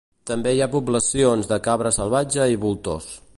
També hi ha poblacions de cabra salvatge i voltors.